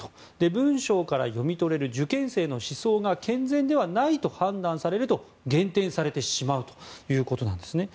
文章から読み取れる受験生の思想が健全ではないと判断されると減点されてしまうということです。